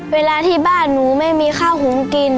เวลาที่บ้านหนูไม่มีข้าวหุงกิน